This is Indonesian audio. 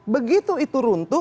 begitu itu runtuh